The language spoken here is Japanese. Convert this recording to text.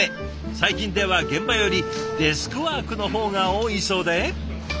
最近では現場よりデスクワークの方が多いそうで。